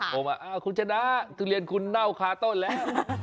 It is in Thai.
ผมว่าคุณชนะทุเรียนคุณเน่าคาต้นแหละ